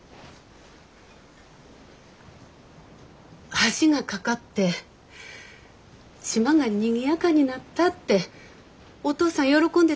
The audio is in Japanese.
橋が架かって島がにぎやかになったっておとうさん喜んでたよね？